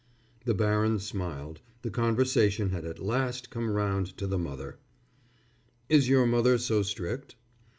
The baron smiled. The conversation had at last come round to the mother. "Is your mother so strict?"